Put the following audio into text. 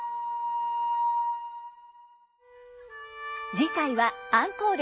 次回はアンコール。